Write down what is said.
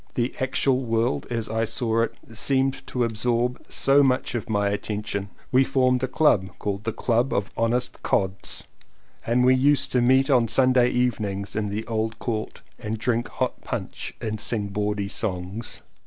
The actual world as I saw it seemed to absorb so much of my attention. We formed a club called the Club of the Honest Cods, and we used to meet on Sunday eve nings in the old court and drink hot punch and sing bawdy songs.